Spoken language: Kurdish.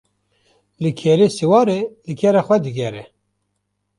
Li kerê siwar e li kera xwe digere